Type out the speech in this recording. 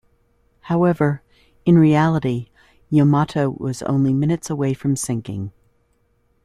However, in reality, "Yamato" was only minutes away from sinking.